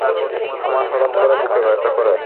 আমার হঠাৎ করে বুকে ব্যথা করে।